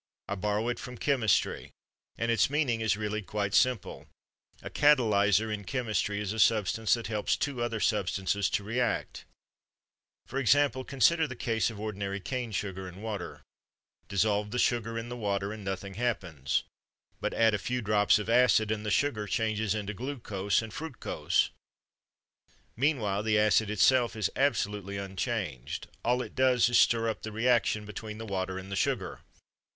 I borrow it from chemistry, and its meaning is really quite simple. A catalyzer, in chemistry, is a substance that helps two other substances to react. For example, consider the case of ordinary cane sugar and water. Dissolve the sugar in the water and nothing happens. But add a few drops of acid and the sugar changes into glucose and fructose. Meanwhile, the acid itself is absolutely unchanged. All it does is to stir up the reaction between the water and the sugar.